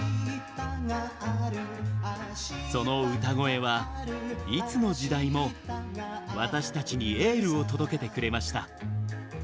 その歌声はいつの時代も私たちに「エール」を届けてくれました。